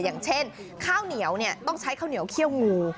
อย่างเช่นข้าวเหนียวต้องใช้ข้าวเหนียวเขี้ยวงู